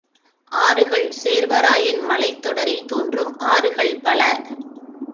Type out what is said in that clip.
ஆறுகள் சேர்வராயன் மலைத்தொடரில் தோன்றும் ஆறுகள் பல.